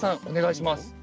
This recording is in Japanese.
お願いします。